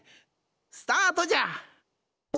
スタートじゃ！